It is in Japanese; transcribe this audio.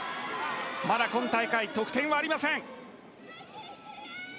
まだ今大会、得点はありません。